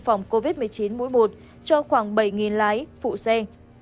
phòng covid một mươi chín mũi bột cho khoảng bảy lái phụ xe